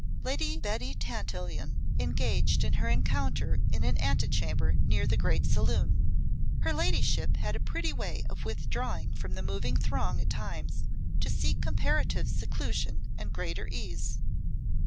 Lady Betty Tantillion engaged in her encounter in an antechamber near the great saloon. Her ladyship had a pretty way of withdrawing from the moving throng at times to seek comparative seclusion and greater ease.